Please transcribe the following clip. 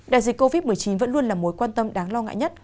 đại dịch covid một mươi chín vẫn luôn là mối quan tâm đáng lo ngại nhất